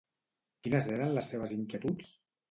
Quines eren les seves inquietuds?